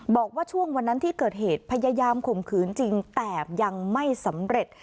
บอกว่าช่วงวันนั้นที่เกิดเหตุพยายามข่มขืนจริงแต่ยังไม่สำเร็จ